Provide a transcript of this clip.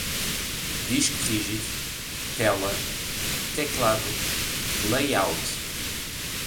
disco rígido, tela, teclado, layout